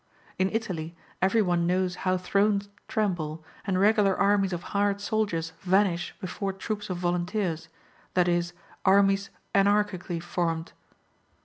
In Italy every one knows how thrones tremble, and regular armies of hired soldiers vanish before troops of volunteers, that is, armies Anarchically formed.